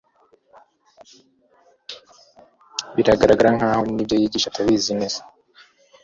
bigaragara nk'aho n'ibyo yigisha atabizi neza,